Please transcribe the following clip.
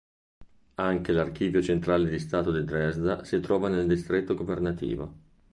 Anche l'Archivio centrale di Stato di Dresda si trova nel distretto governativo.